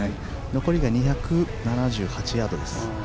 残りが２７８ヤードです。